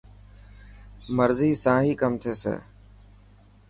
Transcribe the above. مرضي سان هي ڪم ٿيسي.